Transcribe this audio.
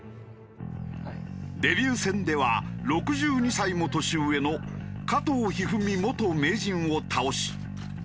デビュー戦では６２歳も年上の加藤一二三元名人を倒し。